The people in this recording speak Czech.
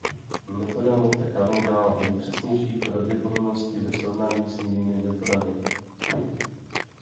Metoda Monte Carlo dává nejpřesnější pravděpodobnosti ve srovnání s jinými metodami.